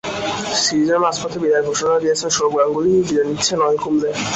সিরিজের মাঝপথে বিদায়ের ঘোষণা দিয়েছিলেন সৌরভ গাঙ্গুলী, বিদায় নিয়েছিলেন অনিল কুম্বলে।